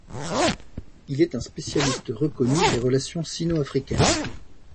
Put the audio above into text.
Il est un spécialiste reconnu des relations sino-africaines.